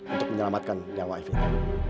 untuk menyelamatkan nyawa evita